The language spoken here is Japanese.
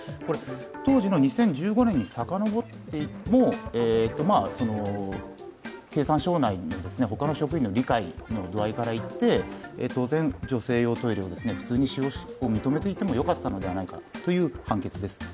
当時の２０１５年に遡っても経産省内の他の職員の理解の度合いからいって女性用トイレを普通に使用を認めていてもよかったのではないかという判決です。